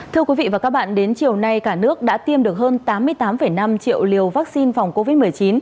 thưa quý vị và các bạn đến chiều nay cả nước đã tiêm được hơn tám mươi tám năm triệu liều vaccine phòng covid một mươi chín